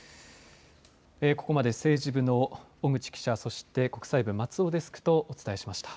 ここまで政治部の小口記者そして国際部松尾デスクとお伝えしました。